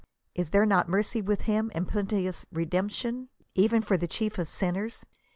Is there not mercy with him, and plenteous redemption, (Ps. cxxx. 7,) even for the chief of sinners ?